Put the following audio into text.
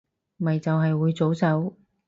咪就係會早走